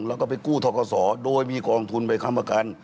แล้วก็ไปกู้ทกศโดยมีกองทุนไปค้ำประกัน